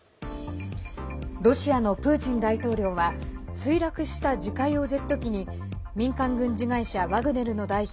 ロシアのプーチン大統領は墜落した自家用ジェット機に民間軍事会社ワグネルの代表